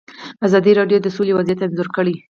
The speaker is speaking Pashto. ازادي راډیو د سوله وضعیت انځور کړی.